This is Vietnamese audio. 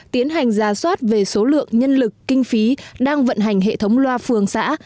tiến hành ra soát về số lượng nhân lực kinh phí đang vận hành hệ thống loa phường xã